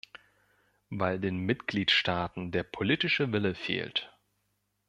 Weil den Mitgliedstaaten der politische Wille fehlt.